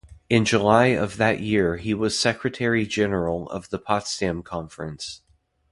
In July of that year he was secretary-general of the Potsdam Conference.